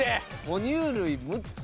ほ乳類６つ？